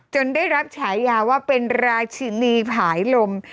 ได้รับฉายาว่าเป็นราชินีผายลม